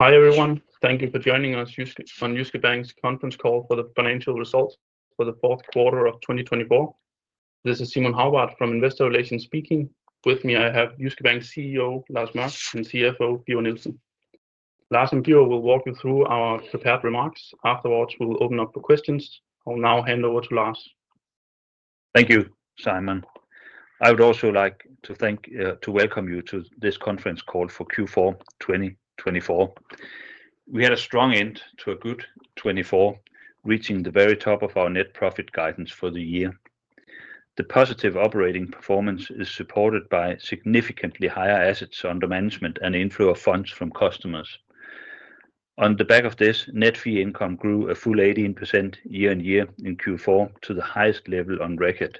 Hi everyone, thank you for joining us on Jyske Bank's conference call for the financial results for the fourth quarter of 2024. This is Simon Hagbart from Investor Relations speaking. With me I have Jyske Bank CEO Lars Mørch and CFO Birger Nielsen. Lars and Birger will walk you through our prepared remarks. Afterwards we will open up for questions. I'll now hand over to Lars. Thank you, Simon. I would also like to thank you for welcoming you to this conference call for Q4 2024. We had a strong end to a good 2024, reaching the very top of our net profit guidance for the year. The positive operating performance is supported by significantly higher assets under management and the inflow of funds from customers. On the back of this, net fee income grew a full 18% year-on-year in Q4 to the highest level on record.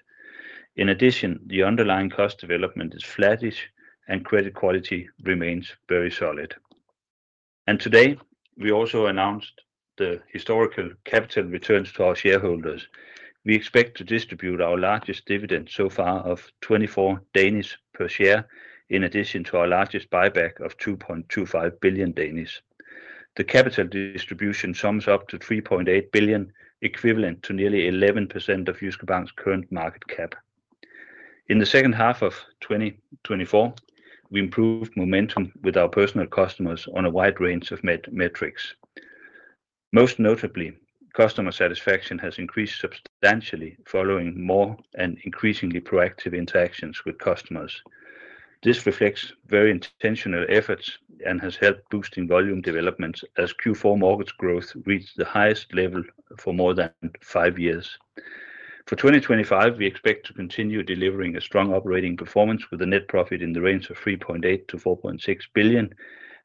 In addition, the underlying cost development is flattish, and credit quality remains very solid. And today we also announced the historical capital returns to our shareholders. We expect to distribute our largest dividend so far of 24 per share, in addition to our largest buyback of 2.25 billion. The capital distribution sums up to 3.8 billion, equivalent to nearly 11% of Jyske Bank's current market cap. In the second half of 2024, we improved momentum with our personal customers on a wide range of metrics. Most notably, customer satisfaction has increased substantially following more and increasingly proactive interactions with customers. This reflects very intentional efforts and has helped boost volume developments as Q4 mortgage growth reached the highest level for more than five years. For 2025, we expect to continue delivering a strong operating performance with a net profit in the range of 3.8 billion-4.6 billion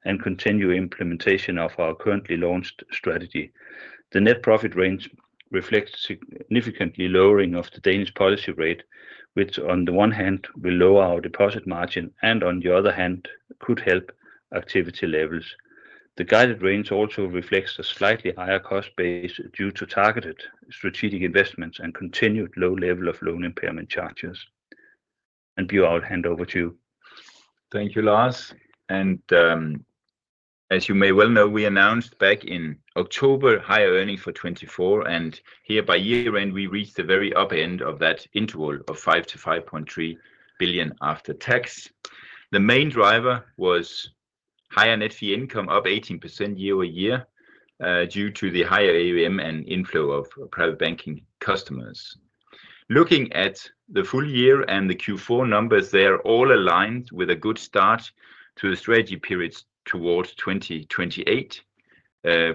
and continue implementation of our currently launched strategy. The net profit range reflects a significant lowering of the Danish policy rate, which on the one hand will lower our deposit margin and on the other hand could help activity levels. The guided range also reflects a slightly higher cost base due to targeted strategic investments and continued low level of loan impairment charges. And Birger, I'll hand over to you. Thank you, Lars. And as you may well know, we announced back in October higher earnings for 2024, and here by year-end we reached the very upper end of that interval of 5 billion-5.3 billion after tax. The main driver was higher net fee income, up 18% year-on-year due to the higher AUM and inflow of private banking customers. Looking at the full year and the Q4 numbers, they are all aligned with a good start to the strategy period towards 2028.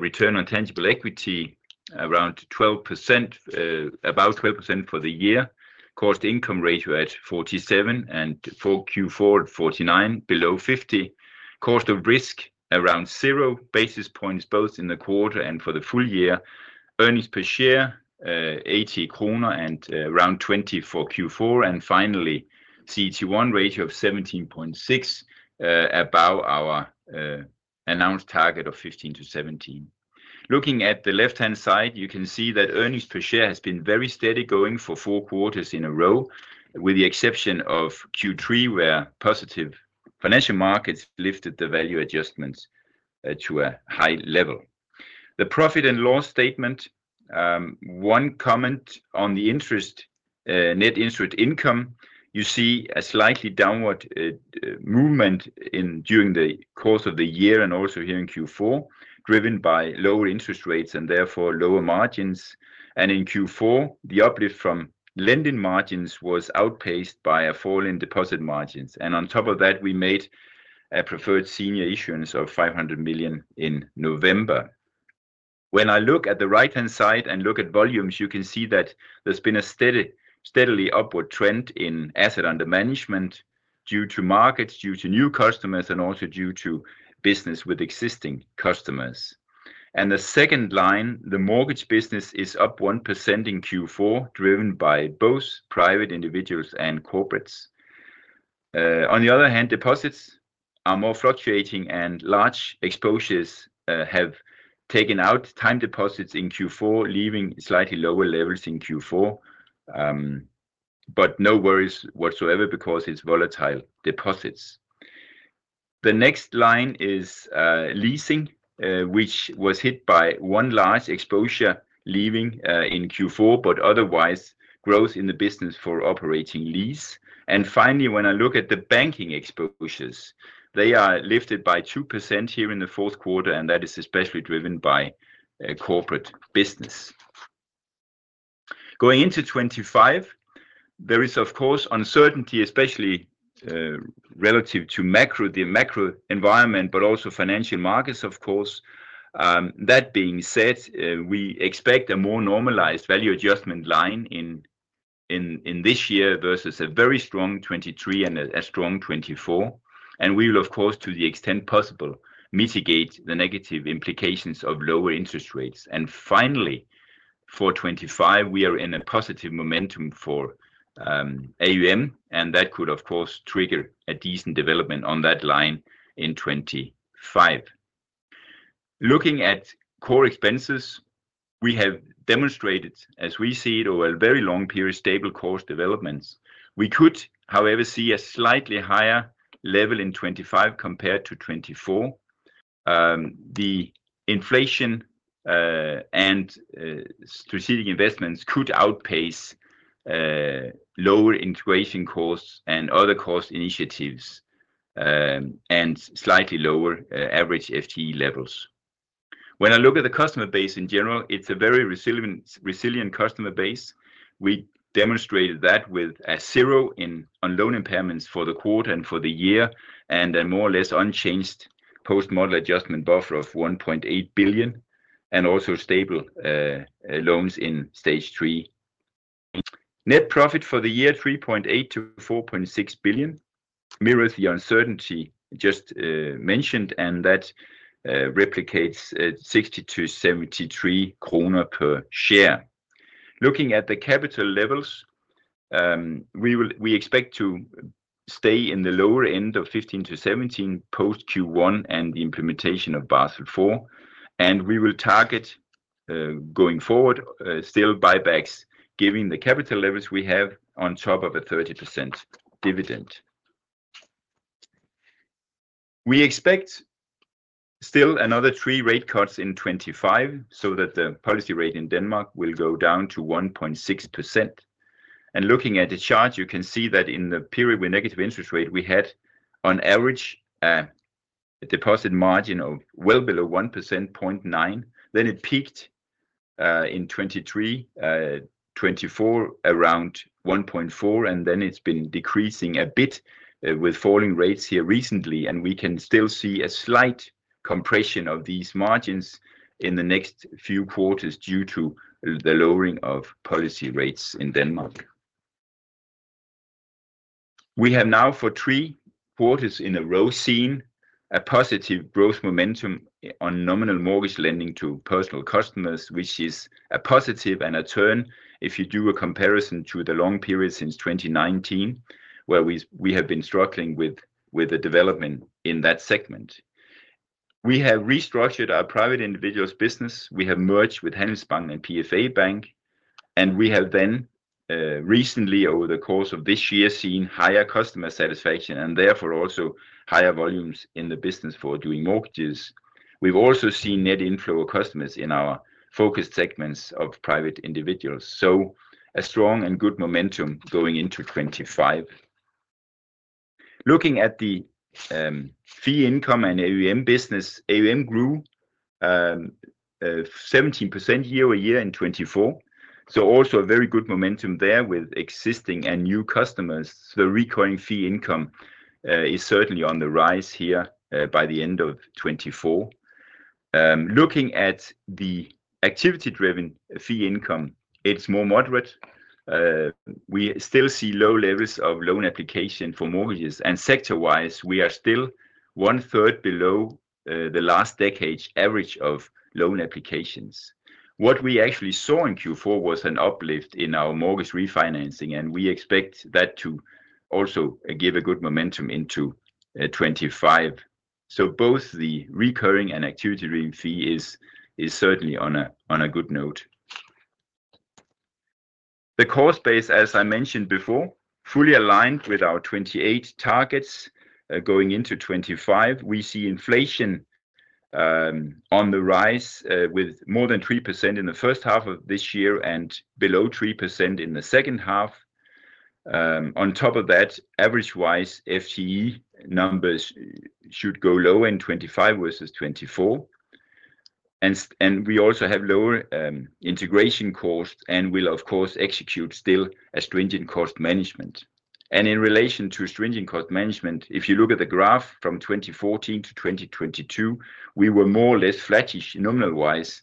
Return on tangible equity around 12%, about 12% for the year. cost-to-income ratio at 47 and for Q4 at 49, below 50. Cost of risk around zero basis points both in the quarter and for the full year. Earnings per share, 80 kroner and around 20 for Q4. And finally, CET1 ratio of 17.6, above our announced target of 15 to 17. Looking at the left-hand side, you can see that earnings per share has been very steady going for four quarters in a row, with the exception of Q3 where positive financial markets lifted the value adjustments to a high level. The profit and loss statement. One comment on the net interest income. You see a slightly downward movement during the course of the year and also here in Q4, driven by lower interest rates and therefore lower margins. And in Q4, the uplift from lending margins was outpaced by falling deposit margins. And on top of that, we made a preferred senior issuance of 500 million in November. When I look at the right-hand side and look at volumes, you can see that there's been a steadily upward trend in asset under management due to markets, due to new customers, and also due to business with existing customers. The second line, the mortgage business is up 1% in Q4, driven by both private individuals and corporates. On the other hand, deposits are more fluctuating and large exposures have taken out time deposits in Q4, leaving slightly lower levels in Q4. No worries whatsoever because it's volatile deposits. The next line is leasing, which was hit by one large exposure leaving in Q4, but otherwise growth in the business for operating lease. Finally, when I look at the banking exposures, they are lifted by 2% here in the fourth quarter, and that is especially driven by corporate business. Going into 2025, there is of course uncertainty, especially relative to the macro environment, but also financial markets, of course. That being said, we expect a more normalized value adjustment line in this year versus a very strong 2023 and a strong 2024. We will, of course, to the extent possible, mitigate the negative implications of lower interest rates. Finally, for 2025, we are in a positive momentum for AUM, and that could, of course, trigger a decent development on that line in 2025. Looking at core expenses, we have demonstrated, as we see it, over a very long period, stable course developments. We could, however, see a slightly higher level in 2025 compared to 2024. The inflation and strategic investments could outpace lower integration costs and other cost initiatives and slightly lower average FTE levels. When I look at the customer base in general, it's a very resilient customer base. We demonstrated that with a zero in loan impairments for the quarter and for the year, and a more or less unchanged post-model adjustment buffer of 1.8 billion, and also stable loans in Stage 3. Net profit for the year, 3.8 billion-4.6 billion, mirrors the uncertainty just mentioned, and that replicates 60-73 kroner per share. Looking at the capital levels, we expect to stay in the lower end of 15%-17% post Q1 and the implementation of Basel IV. We will target, going forward, still buybacks, given the capital levels we have on top of a 30% dividend. We expect still another three rate cuts in 2025 so that the policy rate in Denmark will go down to 1.6%. Looking at the chart, you can see that in the period with negative interest rate, we had on average a deposit margin of well below 1%, 0.9%. Then it peaked in 2023, 2024 around 1.4%, and then it's been decreasing a bit with falling rates here recently. And we can still see a slight compression of these margins in the next few quarters due to the lowering of policy rates in Denmark. We have now, for three quarters in a row, seen a positive growth momentum on nominal mortgage lending to personal customers, which is a positive and a turn if you do a comparison to the long period since 2019, where we have been struggling with the development in that segment. We have restructured our private individuals' business. We have merged with Handelsbanken and PFA Bank, and we have then recently, over the course of this year, seen higher customer satisfaction and therefore also higher volumes in the business for doing mortgages. We've also seen net inflow of customers in our focused segments of private individuals. So a strong and good momentum going into 2025. Looking at the fee income and AUM business, AUM grew 17% year-on-year in 2024, so also a very good momentum there with existing and new customers. The recurring fee income is certainly on the rise here by the end of 2024. Looking at the activity-driven fee income, it's more moderate. We still see low levels of loan application for mortgages, and sector-wise, we are still one-third below the last decade's average of loan applications. What we actually saw in Q4 was an uplift in our mortgage refinancing, and we expect that to also give a good momentum into 2025, so both the recurring and activity-driven fee is certainly on a good note. The cost base, as I mentioned before, fully aligned with our 2028 targets going into 2025. We see inflation on the rise with more than 3% in the first half of this year and below 3% in the second half. On top of that, average-wise, FTE numbers should go lower in 2025 versus 2024, and we also have lower integration costs and will, of course, execute still a stringent cost management, and in relation to stringent cost management, if you look at the graph from 2014 to 2022, we were more or less flattish nominal-wise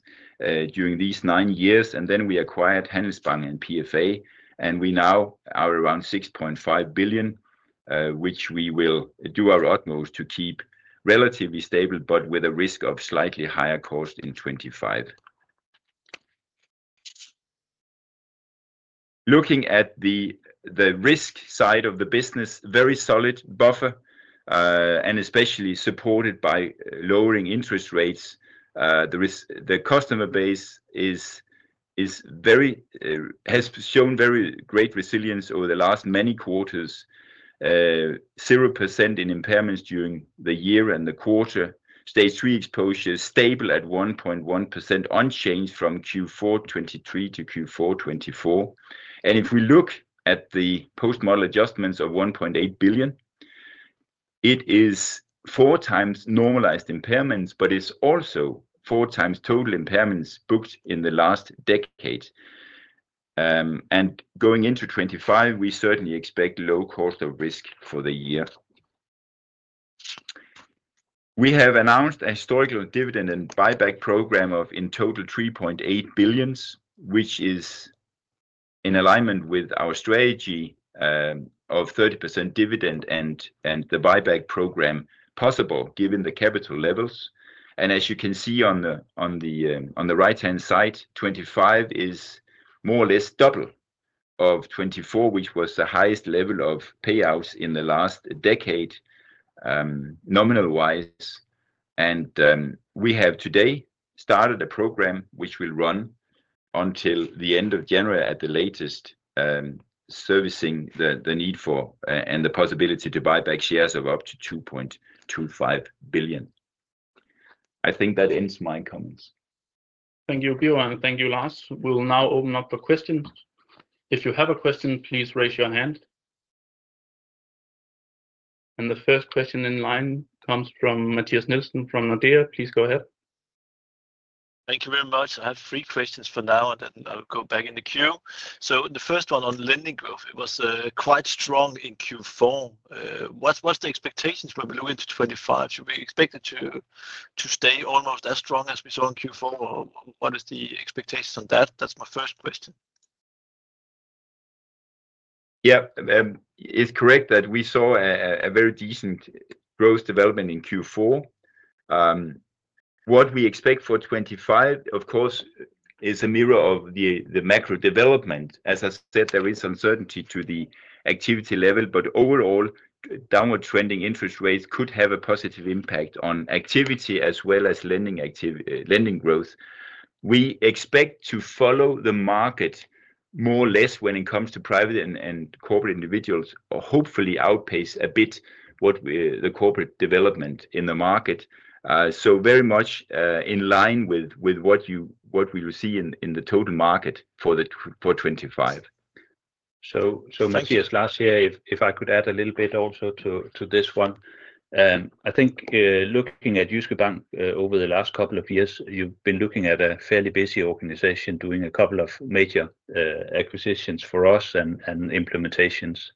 during these nine years, and then we acquired Handelsbanken and PFA, and we now are around 6.5 billion DKK, which we will do our utmost to keep relatively stable, but with a risk of slightly higher cost in 2025. Looking at the risk side of the business, very solid buffer, and especially supported by lowering interest rates. The customer base has shown very great resilience over the last many quarters. 0% in impairments during the year and the quarter. Stage 3 exposure stable at 1.1%, unchanged from Q4 2023 to Q4 2024, and if we look at the post-model adjustments of 1.8 billion, it is four times normalized impairments, but it's also four times total impairments booked in the last decade. Going into 2025, we certainly expect low cost of risk for the year. We have announced a historical dividend and buyback program of in total 3.8 billion, which is in alignment with our strategy of 30% dividend and the buyback program possible given the capital levels. As you can see on the right-hand side, 2025 is more or less double of 2024, which was the highest level of payouts in the last decade nominal-wise. We have today started a program which will run until the end of January at the latest, servicing the need for and the possibility to buy back shares of up to 2.25 billion. I think that ends my comments. Thank you, Birger, and thank you, Lars. We'll now open up for questions. If you have a question, please raise your hand. The first question in line comes from Mathias Nielsen from Nordea. Please go ahead. Thank you very much. I have three questions for now, and then I'll go back in the queue. So the first one on lending growth, it was quite strong in Q4. What's the expectations when we look into 2025? Should we expect it to stay almost as strong as we saw in Q4? What is the expectation on that? That's my first question. Yeah, it's correct that we saw a very decent growth development in Q4. What we expect for 2025, of course, is a mirror of the macro development. As I said, there is uncertainty to the activity level, but overall, downward trending interest rates could have a positive impact on activity as well as lending growth. We expect to follow the market more or less when it comes to private and corporate individuals, or hopefully outpace a bit what the corporate development in the market. So very much in line with what we will see in the total market for 2025. So, Mathias, last year, if I could add a little bit also to this one. I think looking at Jyske Bank over the last couple of years, you've been looking at a fairly busy organization doing a couple of major acquisitions for us and implementations,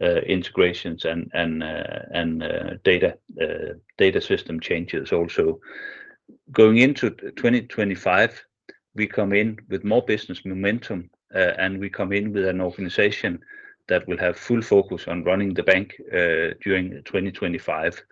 integrations, and data system changes also. Going into 2025, we come in with more business momentum, and we come in with an organization that will have full focus on running the bank during 2025.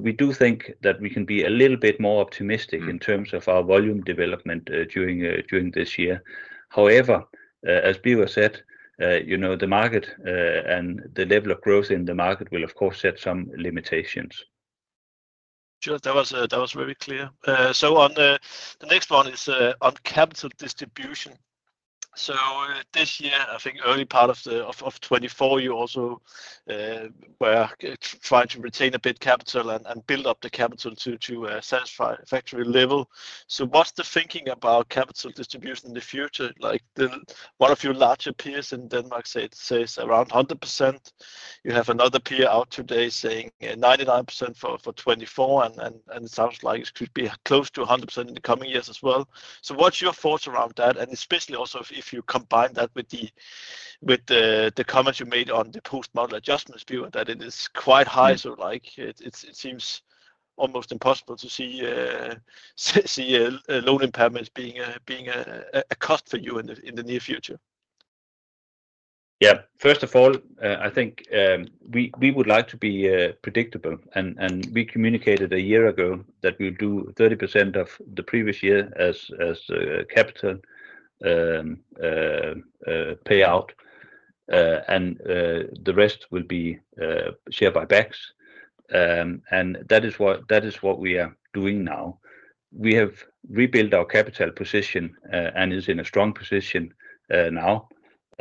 We do think that we can be a little bit more optimistic in terms of our volume development during this year. However, as Birger said, the market and the level of growth in the market will, of course, set some limitations. Sure, that was very clear, so the next one is on capital distribution. This year, I think early part of 2024, you also were trying to retain a bit of capital and build up the capital to satisfy regulatory level. What's the thinking about capital distribution in the future? One of your larger peers in Denmark says around 100%. You have another peer out today saying 99% for 2024, and it sounds like it could be close to 100% in the coming years as well. What's your thoughts around that? And especially also if you combine that with the comments you made on the post-model adjustments, Birger, that it is quite high, so it seems almost impossible to see loan impairments being a cost for you in the near future. Yeah, first of all, I think we would like to be predictable, and we communicated a year ago that we'll do 30% of the previous year as capital payout, and the rest will be shared by banks, and that is what we are doing now. We have rebuilt our capital position and is in a strong position now,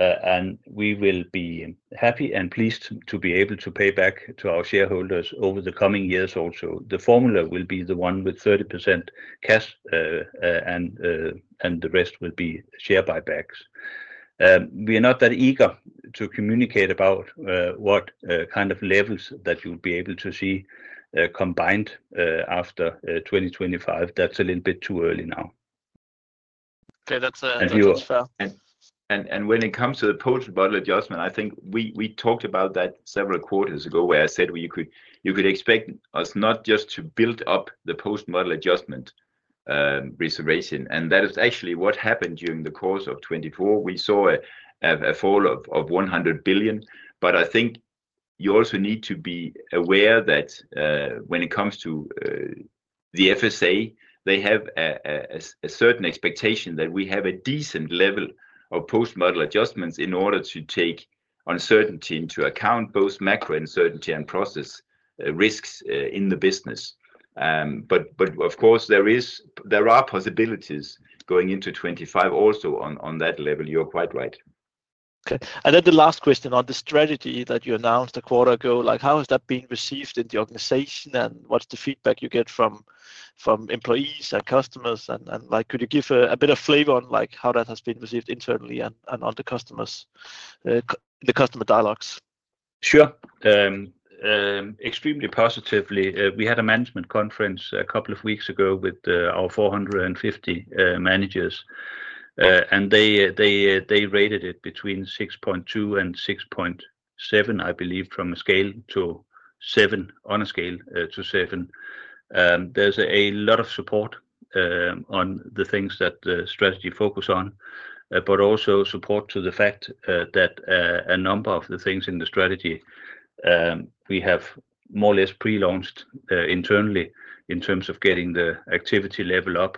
and we will be happy and pleased to be able to pay back to our shareholders over the coming years also. The formula will be the one with 30% cash, and the rest will be shared by banks. We are not that eager to communicate about what kind of levels that you'll be able to see combined after 2025. That's a little bit too early now. Okay, that's fair. And when it comes to the post-model adjustment, I think we talked about that several quarters ago where I said you could expect us not just to build up the post-model adjustment reservation. And that is actually what happened during the course of 2024. We saw a fall of 100 billion, but I think you also need to be aware that when it comes to the FSA, they have a certain expectation that we have a decent level of post-model adjustments in order to take uncertainty into account, both macro uncertainty and process risks in the business. But of course, there are possibilities going into 2025 also on that level. You're quite right. Okay, and then the last question on the strategy that you announced a quarter ago, how has that been received in the organization and what's the feedback you get from employees and customers? And could you give a bit of flavor on how that has been received internally and on the customer dialogues? Sure, extremely positively. We had a management conference a couple of weeks ago with our 450 managers, and they rated it between 6.2 and 6.7, I believe, from a scale to seven, on a scale to seven. There's a lot of support on the things that the strategy focuses on, but also support to the fact that a number of the things in the strategy we have more or less pre-launched internally in terms of getting the activity level up,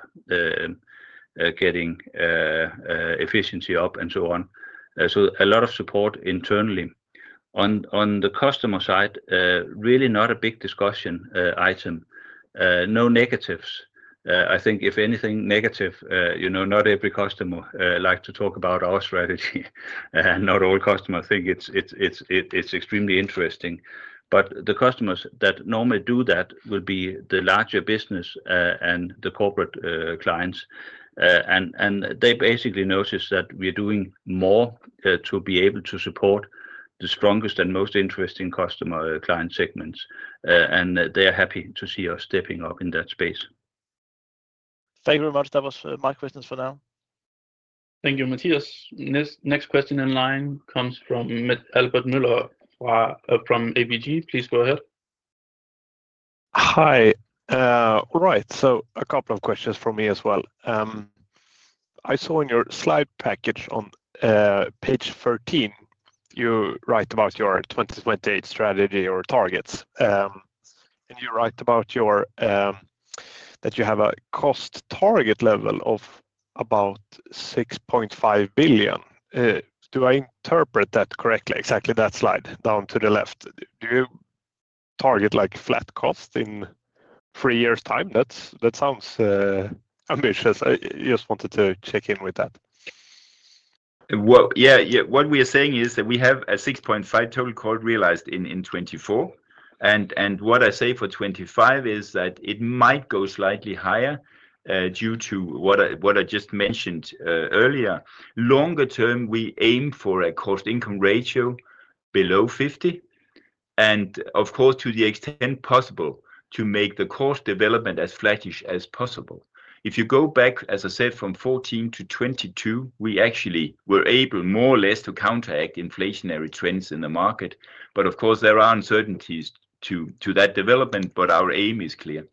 getting efficiency up, and so on. So a lot of support internally. On the customer side, really not a big discussion item. No negatives. I think if anything negative, not every customer likes to talk about our strategy. Not all customers think it's extremely interesting, but the customers that normally do that will be the larger business and the corporate clients. They basically notice that we are doing more to be able to support the strongest and most interesting customer client segments. They are happy to see us stepping up in that space. Thank you very much. That was my questions for now. Thank you, Mathias. Next question in line comes from Albert Møller from ABG. Please go ahead. Hi, right, so a couple of questions for me as well. I saw in your slide package on page 13, you write about your 2028 strategy or targets, and you write about that you have a cost target level of about 6.5 billion. Do I interpret that correctly? Exactly that slide down to the left. Do you target flat costs in three years' time? That sounds ambitious. I just wanted to check in with that. Yeah, what we are saying is that we have a 6.5 total cost realized in 2024, and what I say for 2025 is that it might go slightly higher due to what I just mentioned earlier. Longer term, we aim for a cost-income ratio below 50%, and of course, to the extent possible, to make the cost development as flattish as possible. If you go back, as I said, from 2014 to 2022, we actually were able more or less to counteract inflationary trends in the market, but of course, there are uncertainties to that development, but our aim is clear.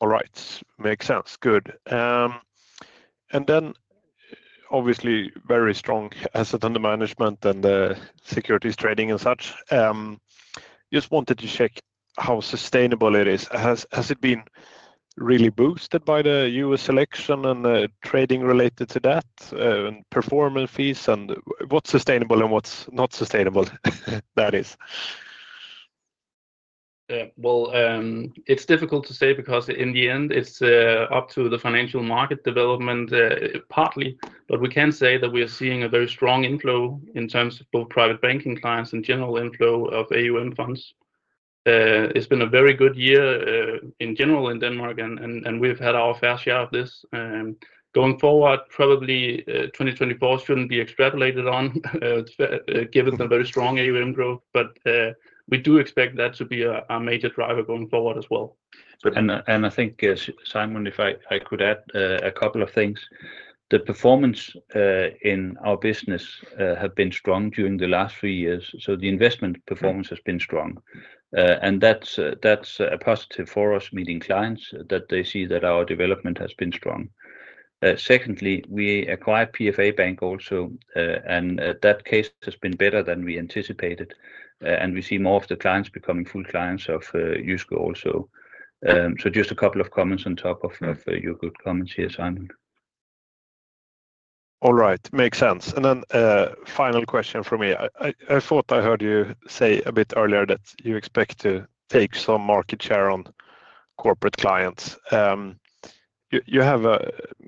All right, makes sense. Good. And then obviously very strong assets under management and securities trading and such. Just wanted to check how sustainable it is. Has it been really boosted by the US election and trading related to that and performance fees? And what's sustainable and what's not sustainable, that is? It's difficult to say because in the end, it's up to the financial market development partly, but we can say that we are seeing a very strong inflow in terms of both private banking clients and general inflow of AUM funds. It's been a very good year in general in Denmark, and we've had our fair share of this. Going forward, probably 2024 shouldn't be extrapolated on given the very strong AUM growth, but we do expect that to be our major driver going forward as well. I think, Simon, if I could add a couple of things. The performance in our business has been strong during the last three years. The investment performance has been strong. That's a positive for us meeting clients that they see that our development has been strong. Secondly, we acquired PFA Bank also, and that case has been better than we anticipated. And we see more of the clients becoming full clients of Jyske also. So just a couple of comments on top of your good comments here, Simon. All right, makes sense, and then final question for me. I thought I heard you say a bit earlier that you expect to take some market share on corporate clients.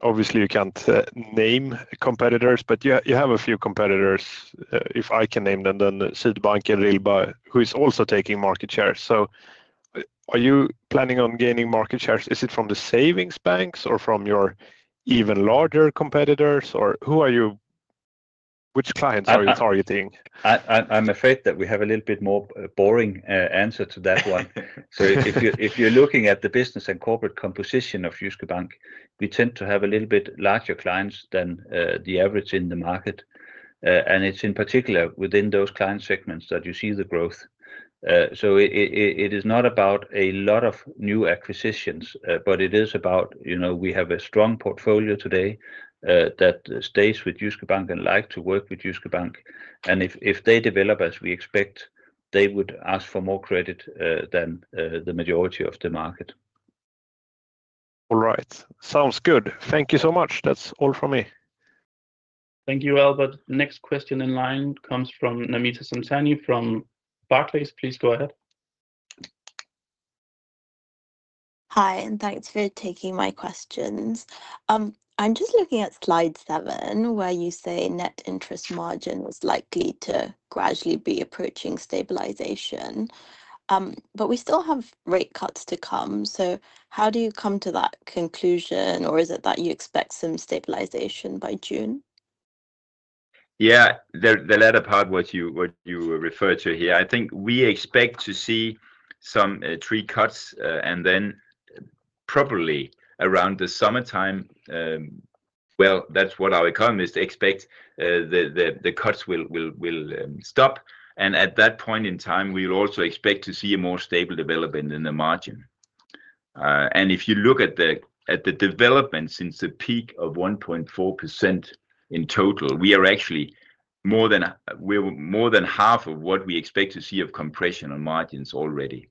Obviously, you can't name competitors, but you have a few competitors, if I can name them, then Swedbank and Ringkjøbing, who is also taking market shares, so are you planning on gaining market shares? Is it from the savings banks or from your even larger competitors, or which clients are you targeting? I'm afraid that we have a little bit more boring answer to that one. So if you're looking at the business and corporate composition of Jyske Bank, we tend to have a little bit larger clients than the average in the market. And it's in particular within those client segments that you see the growth. So it is not about a lot of new acquisitions, but it is about we have a strong portfolio today that stays with Jyske Bank and like to work with Jyske Bank. And if they develop as we expect, they would ask for more credit than the majority of the market. All right, sounds good. Thank you so much. That's all from me. Thank you, Albert. Next question in line comes from Namita Samtani from Barclays. Please go ahead. Hi, and thanks for taking my questions. I'm just looking at slide seven where you say net interest margin is likely to gradually be approaching stabilization. But we still have rate cuts to come. So how do you come to that conclusion, or is it that you expect some stabilization by June? Yeah, the latter part what you referred to here. I think we expect to see some rate cuts and then probably around the summertime, well, that's what our economists expect, the cuts will stop. And at that point in time, we will also expect to see a more stable development in the margin. And if you look at the development since the peak of 1.4% in total, we are actually more than half of what we expect to see of compression on margins already.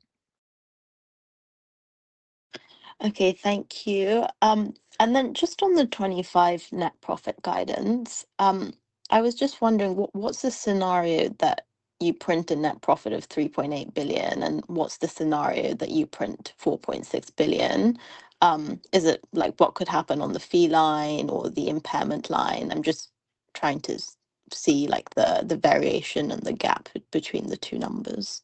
Okay, thank you. And then just on the 2025 net profit guidance, I was just wondering, what's the scenario that you print a net profit of 3.8 billion, and what's the scenario that you print 4.6 billion? What could happen on the fee line or the impairment line? I'm just trying to see the variation and the gap between the two numbers.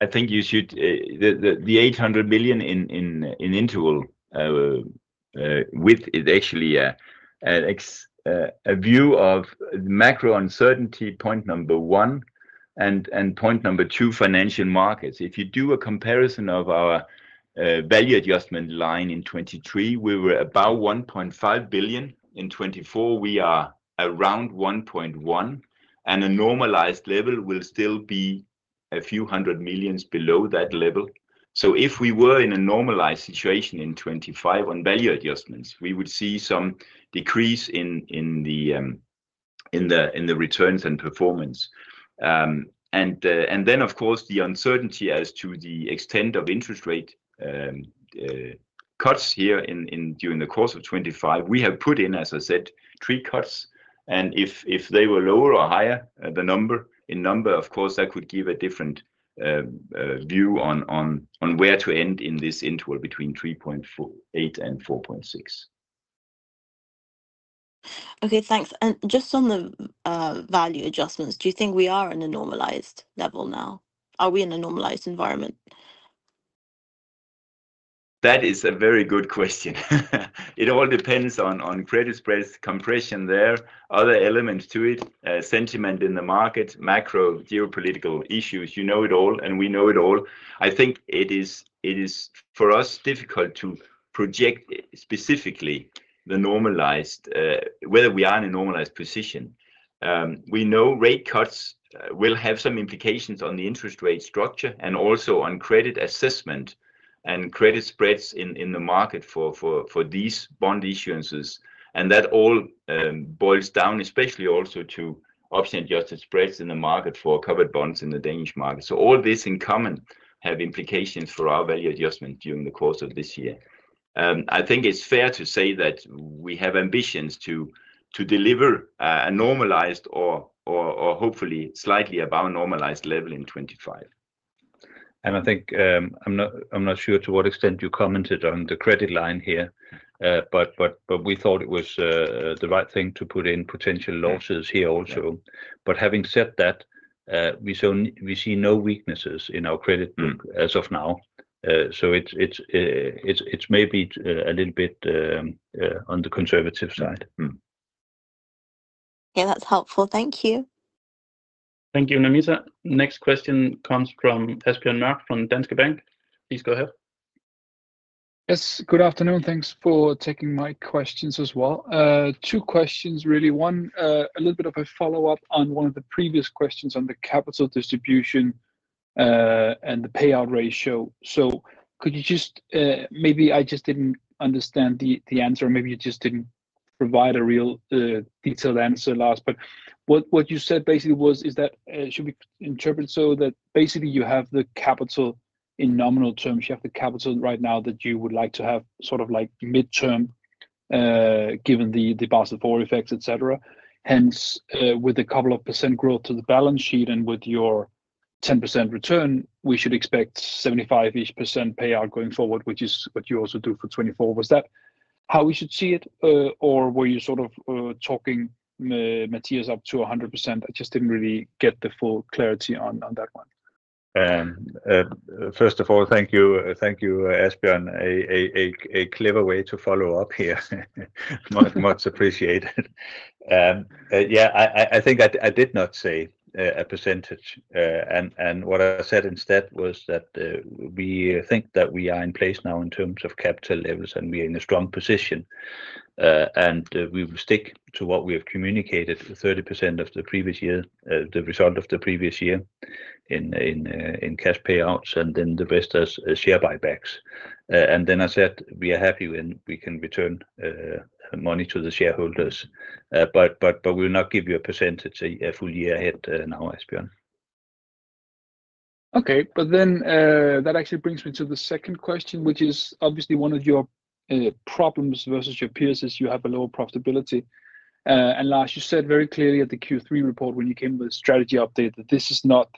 I think you should view the 800 billion in the interval with actually a view of macro uncertainty, point number one, and point number two, financial markets. If you do a comparison of our value adjustments line in 2023, we were about 1.5 billion. In 2024, we are around 1.1 billion, and a normalized level will still be a few hundred million below that level. So if we were in a normalized situation in 2025 on value adjustments, we would see some decrease in the returns and performance. And then, of course, the uncertainty as to the extent of interest rate cuts here during the course of 2025, we have put in, as I said, three cuts. And if they were lower or higher, the number, of course, that could give a different view on where to end in this interval between 3.8% and 4.6%. Okay, thanks, and just on the value adjustments, do you think we are on a normalized level now? Are we in a normalized environment? That is a very good question. It all depends on credit spreads, compression there, other elements to it, sentiment in the market, macro geopolitical issues. You know it all, and we know it all. I think it is, for us, difficult to project specifically the normalized, whether we are in a normalized position. We know rate cuts will have some implications on the interest rate structure and also on credit assessment and credit spreads in the market for these bond issuances, and that all boils down, especially also to option-adjusted spreads in the market for covered bonds in the Danish market, so all this in common have implications for our value adjustment during the course of this year. I think it's fair to say that we have ambitions to deliver a normalized or hopefully slightly above normalized level in 2025. I think I'm not sure to what extent you commented on the credit line here, but we thought it was the right thing to put in potential losses here also. Having said that, we see no weaknesses in our credit book as of now. It's maybe a little bit on the conservative side. Yeah, that's helpful. Thank you. Thank you, Nameeta. Next question comes from Asbjørn Mørk from Danske Bank. Please go ahead. Yes, good afternoon. Thanks for taking my questions as well. Two questions, really. One, a little bit of a follow-up on one of the previous questions on the capital distribution and the payout ratio. So, could you just maybe... I just didn't understand the answer. Maybe you just didn't provide a real detailed answer last. But what you said basically was, should we interpret so that basically you have the capital in nominal terms, you have the capital right now that you would like to have sort of midterm given the Basel IV effects, etc. Hence, with a couple of percent growth to the balance sheet and with your 10% return, we should expect 75-ish% payout going forward, which is what you also do for 2024. Was that how we should see it, or were you sort of talking, Mathias, up to 100%? I just didn't really get the full clarity on that one. First of all, thank you, Asbjørn. A clever way to follow up here. Much appreciated. Yeah, I think I did not say a percentage. And what I said instead was that we think that we are in place now in terms of capital levels, and we are in a strong position. And we will stick to what we have communicated for 30% of the previous year, the result of the previous year in cash payouts, and then the rest as share buybacks. And then I said we are happy when we can return money to the shareholders, but we will not give you a percentage a full year ahead now, Asbjørn. Okay, but then that actually brings me to the second question, which is obviously one of your problems versus your peers is you have a lower profitability. And last, you said very clearly at the Q3 report when you came with a strategy update that this is not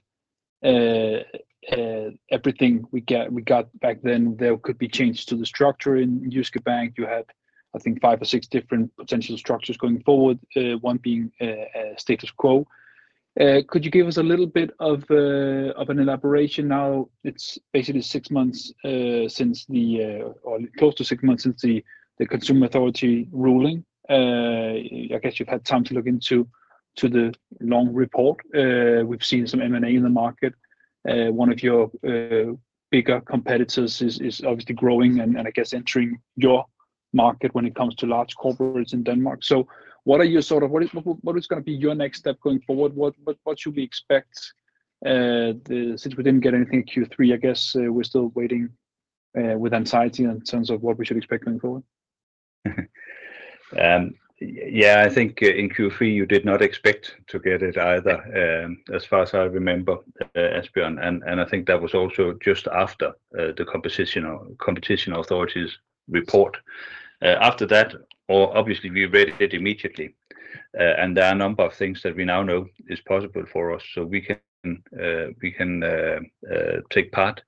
everything we got back then. There could be changes to the structure in Jyske Bank. You have, I think, five or six different potential structures going forward, one being status quo. Could you give us a little bit of an elaboration? Now, it's basically six months since the or close to six months since the Consumer Authority ruling. I guess you've had time to look into the long report. We've seen some M&A in the market. One of your bigger competitors is obviously growing and, I guess, entering your market when it comes to large corporates in Denmark. So, what is going to be your next step going forward? What should we expect since we didn't get anything in Q3? I guess we're still waiting with anxiety in terms of what we should expect going forward. Yeah, I think in Q3, you did not expect to get it either, as far as I remember, Asbjørn. And I think that was also just after the Competition Authority's report. After that, obviously, we read it immediately. And there are a number of things that we now know is possible for us. So we can take part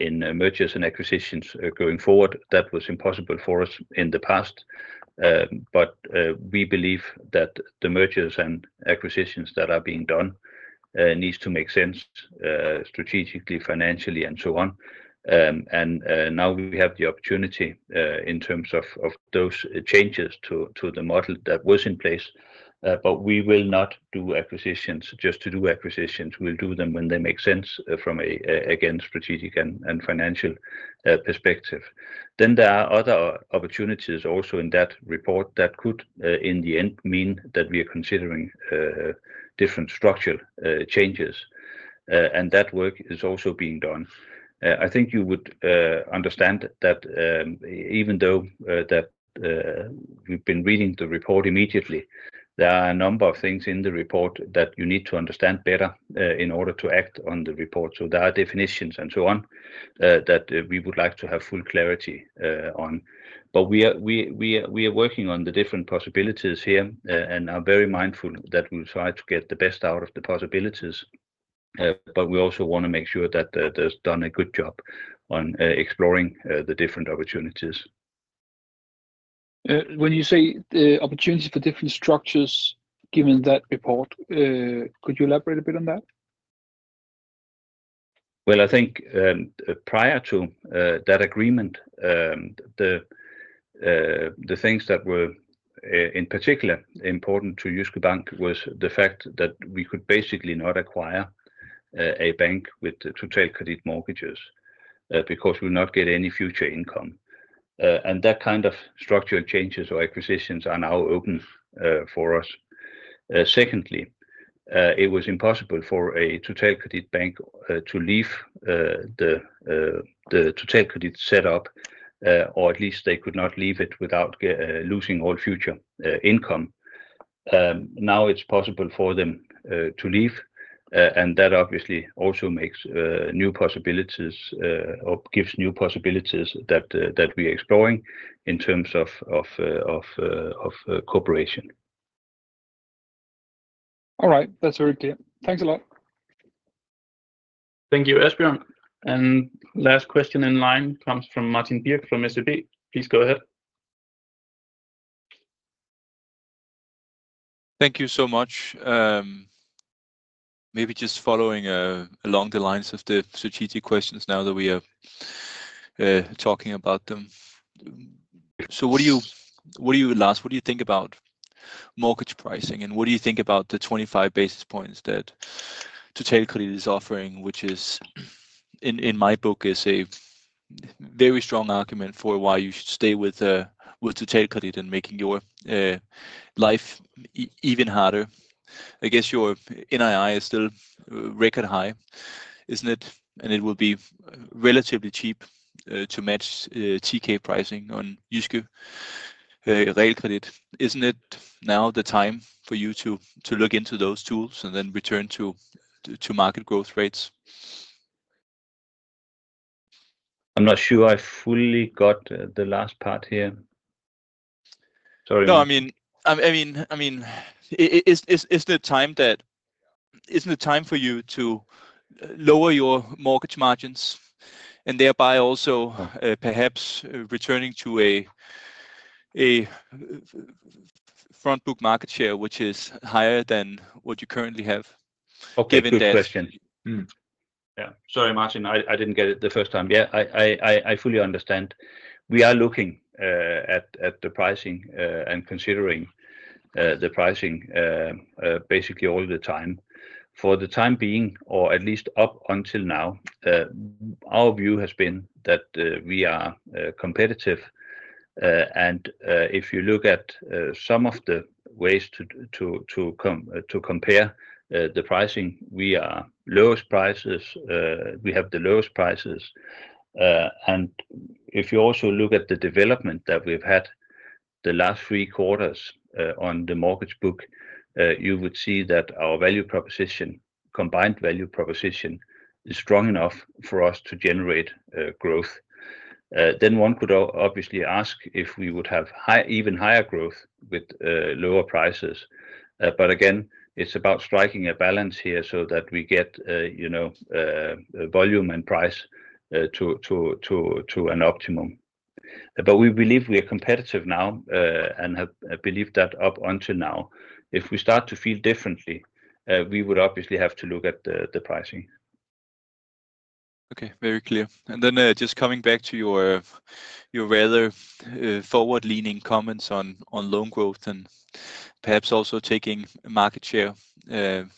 in mergers and acquisitions going forward. That was impossible for us in the past. But we believe that the mergers and acquisitions that are being done need to make sense strategically, financially, and so on. And now we have the opportunity in terms of those changes to the model that was in place. But we will not do acquisitions just to do acquisitions. We'll do them when they make sense from, again, strategic and financial perspective. Then there are other opportunities also in that report that could, in the end, mean that we are considering different structural changes. And that work is also being done. I think you would understand that even though that we've been reading the report immediately, there are a number of things in the report that you need to understand better in order to act on the report. So there are definitions and so on that we would like to have full clarity on. But we are working on the different possibilities here and are very mindful that we'll try to get the best out of the possibilities. But we also want to make sure that there's done a good job on exploring the different opportunities. When you say opportunities for different structures, given that report, could you elaborate a bit on that? I think prior to that agreement, the things that were in particular important to Jyske Bank was the fact that we could basically not acquire a bank with Totalkredit mortgages because we will not get any future income. That kind of structural changes or acquisitions are now open for us. Secondly, it was impossible for a Totalkredit bank to leave the Totalkredit setup, or at least they could not leave it without losing all future income. Now it's possible for them to leave. And that obviously also makes new possibilities or gives new possibilities that we are exploring in terms of cooperation. All right, that's very clear. Thanks a lot. Thank you, Asbjørn. And last question in line comes from Martin Birk from SEB. Please go ahead. Thank you so much. Maybe just following along the lines of the strategic questions now that we are talking about them. So what do you think about mortgage pricing? And what do you think about the 25 basis points that Totalkredit is offering, which in my book is a very strong argument for why you should stay with Totalkredit and making your life even harder? I guess your NII is still record high, isn't it? And it will be relatively cheap to match TK pricing on Jyske Realkredit. Isn't it now the time for you to look into those tools and then return to market growth rates? I'm not sure I fully got the last part here. Sorry. No, I mean, isn't it time for you to lower your mortgage margins and thereby also perhaps returning to a front-book market share, which is higher than what you currently have? Okay, good question. Yeah, sorry, Martin, I didn't get it the first time. Yeah, I fully understand. We are looking at the pricing and considering the pricing basically all the time. For the time being, or at least up until now, our view has been that we are competitive, and if you look at some of the ways to compare the pricing, we are lowest prices. We have the lowest prices, and if you also look at the development that we've had the last three quarters on the mortgage book, you would see that our value proposition, combined value proposition, is strong enough for us to generate growth, then one could obviously ask if we would have even higher growth with lower prices, but again, it's about striking a balance here so that we get volume and price to an optimum. But we believe we are competitive now and have believed that up until now. If we start to feel differently, we would obviously have to look at the pricing. Okay, very clear. And then just coming back to your rather forward-leaning comments on loan growth and perhaps also taking market share on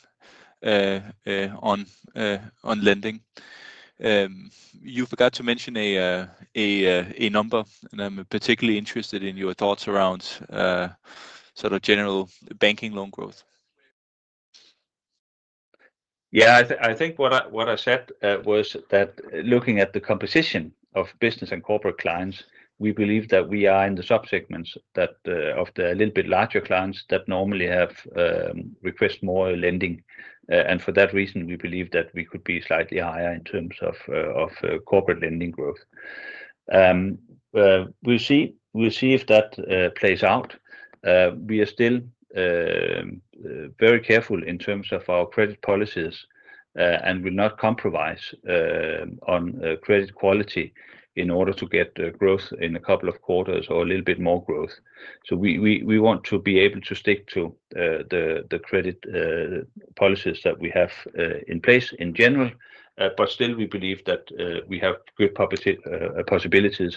lending. You forgot to mention a number, and I'm particularly interested in your thoughts around sort of general banking loan growth. Yeah, I think what I said was that looking at the composition of business and corporate clients, we believe that we are in the subsegments of the little bit larger clients that normally have requested more lending, and for that reason, we believe that we could be slightly higher in terms of corporate lending growth. We'll see if that plays out. We are still very careful in terms of our credit policies and will not compromise on credit quality in order to get growth in a couple of quarters or a little bit more growth, so we want to be able to stick to the credit policies that we have in place in general. Still, we believe that we have good possibilities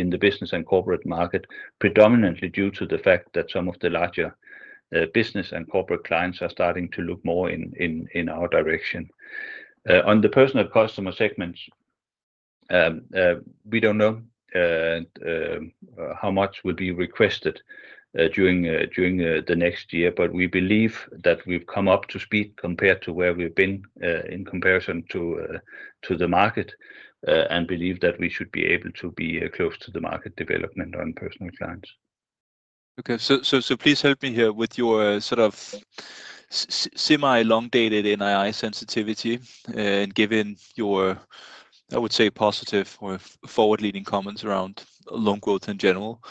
in the business and corporate market, predominantly due to the fact that some of the larger business and corporate clients are starting to look more in our direction. On the personal customer segment, we don't know how much will be requested during the next year, but we believe that we've come up to speed compared to where we've been in comparison to the market and believe that we should be able to be close to the market development on personal clients. Okay, so please help me here with your sort of semi-long-dated NII sensitivity and given your, I would say, positive or forward-leaning comments around loan growth in general.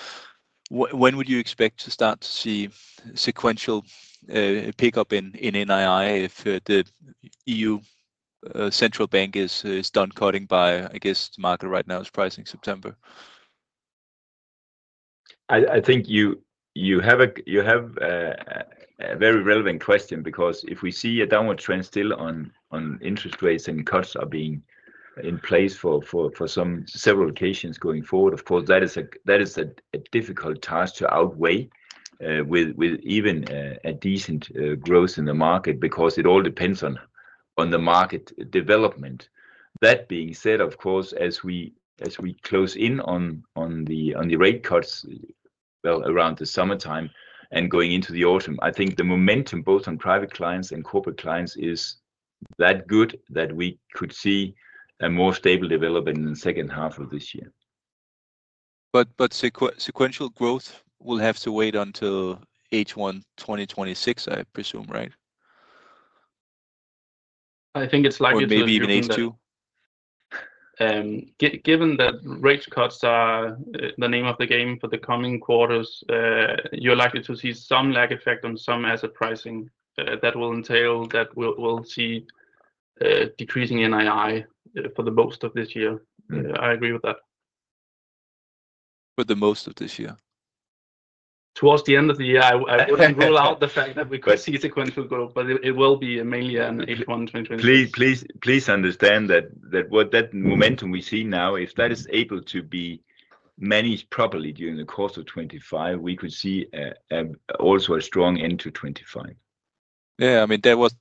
When would you expect to start to see sequential pickup in NII if the European Central Bank is done cutting by, I guess, the market right now is pricing September? I think you have a very relevant question because if we see a downward trend still on interest rates and cuts are being in place for several occasions going forward, of course, that is a difficult task to outweigh with even a decent growth in the market because it all depends on the market development. That being said, of course, as we close in on the rate cuts around the summertime and going into the autumn, I think the momentum both on private clients and corporate clients is that good that we could see a more stable development in the second half of this year. But sequential growth will have to wait until H1 2026, I presume, right? I think it's likely to wait until H2. Given that rate cuts are the name of the game for the coming quarters, you're likely to see some lag effect on some asset pricing that will entail that we'll see decreasing NII for the most of this year. I agree with that. For most of this year? Toward the end of the year. I wouldn't rule out the fact that we could see sequential growth, but it will be mainly on H1 2026. Please understand that that momentum we see now, if that is able to be managed properly during the course of 2025, we could see also a strong end to 2025. Yeah, I mean, that was,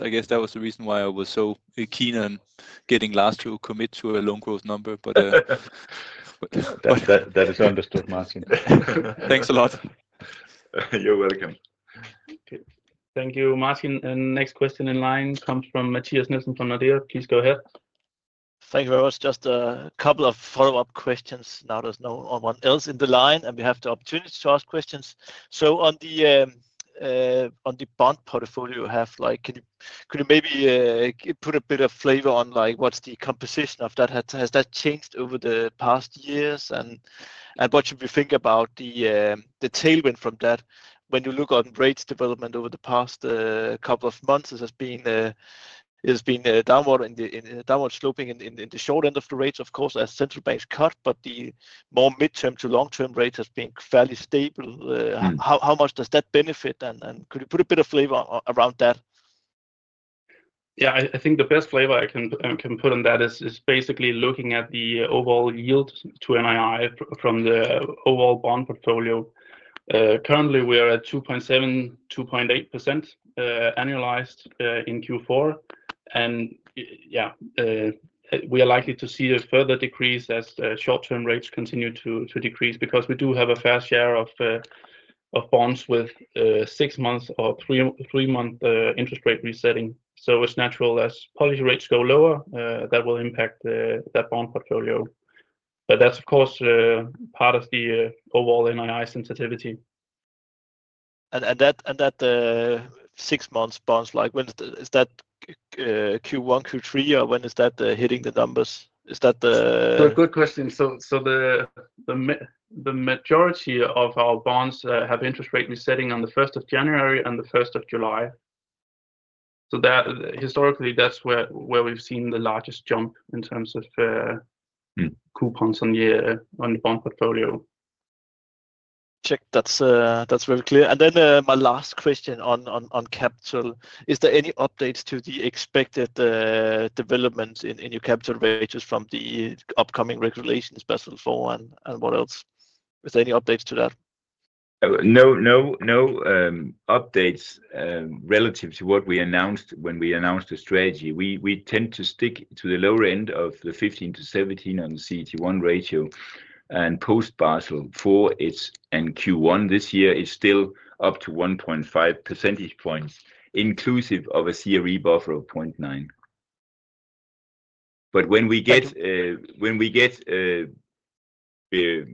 I guess that was the reason why I was so keen on getting Lars to commit to a loan growth number, but. That is understood, Martin. Thanks a lot. You're welcome. Thank you, Martin, and next question in line comes from Mathias Nielsen from Nordea. Please go ahead. Thank you very much. Just a couple of follow-up questions. Now there's no one else in the line, and we have the opportunity to ask questions. So on the bond portfolio you have, could you maybe put a bit of flavor on what's the composition of that? Has that changed over the past years? And what should we think about the tailwind from that when you look at rates development over the past couple of months? It has been a downward sloping in the short end of the rates, of course, as central banks cut, but the more midterm to long-term rate has been fairly stable. How much does that benefit? And could you put a bit of flavor around that? Yeah, I think the best flavor I can put on that is basically looking at the overall yield to NII from the overall bond portfolio. Currently, we are at 2.7%-2.8% annualized in Q4. And yeah, we are likely to see a further decrease as short-term rates continue to decrease because we do have a fair share of bonds with six-month or three-month interest rate resetting. So it's natural as policy rates go lower, that will impact that bond portfolio. But that's, of course, part of the overall NII sensitivity. That six-month bonds, is that Q1, Q3, or when is that hitting the numbers? Is that the? Good question. The majority of our bonds have interest rate resetting on the 1st of January and the 1st of July. Historically, that's where we've seen the largest jump in terms of coupons on the bond portfolio. Check. That's very clear, and then my last question on capital. Is there any updates to the expected developments in your capital rates from the upcoming regulations, Basel IV and what else? Is there any updates to that? No, no updates relative to what we announced when we announced the strategy. We tend to stick to the lower end of the 15%-17% on the CET1 ratio and post-Basel IV, it's Q1 this year. It's still up to 1.5 percentage points, inclusive of a CRE buffer of 0.9. But when we get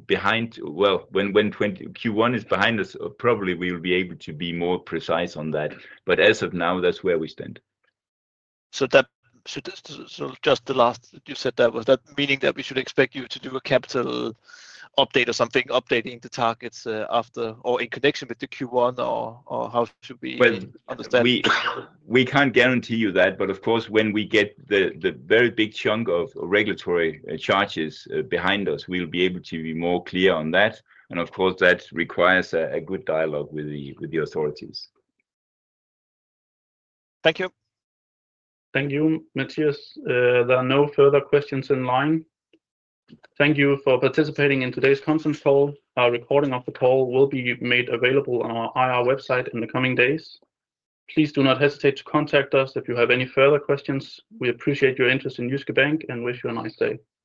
behind, well, when Q1 is behind us, probably we will be able to be more precise on that. But as of now, that's where we stand. So, just the last thing you said, that was that, meaning that we should expect you to do a capital update or something, updating the targets after or in connection with the Q1, or how should we understand? We can't guarantee you that. But of course, when we get the very big chunk of regulatory charges behind us, we'll be able to be more clear on that. And of course, that requires a good dialogue with the authorities. Thank you. Thank you, Mathias. There are no further questions in line. Thank you for participating in today's conference call. Our recording of the call will be made available on our IR website in the coming days. Please do not hesitate to contact us if you have any further questions. We appreciate your interest in Jyske Bank and wish you a nice day.